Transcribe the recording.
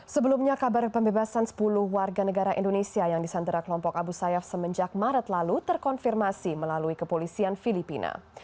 sebelumnya kabar pembebasan sepuluh warga negara indonesia yang disandera kelompok abu sayyaf semenjak maret lalu terkonfirmasi melalui kepolisian filipina